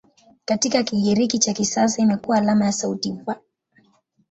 Katika Kigiriki cha kisasa imekuwa alama ya sauti "V".